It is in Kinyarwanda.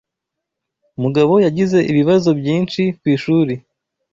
Mugabo yagize ibibazo byinshi kwishuri.